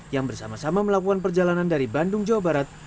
yang bersama sama melakukan perjalanan dari bandung jawa barat